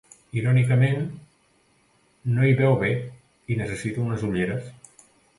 Irònicament, no hi veu bé i necessita unes ulleres.